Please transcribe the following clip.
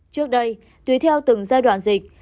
trước đây tùy theo từng giai đoạn dịch